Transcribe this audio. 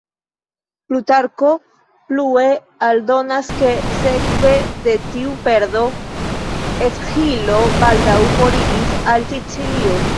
Plutarko plue aldonas ke sekve de tiu perdo Esĥilo baldaŭ foriris al Sicilio.